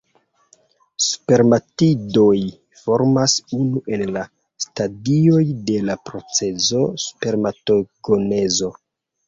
Spermatidoj formas unu el la stadioj de la procezo spermatogenezo.